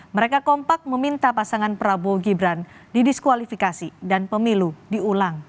mereka kompak meminta pasangan prabowo gibran didiskualifikasi dan pemilu diulang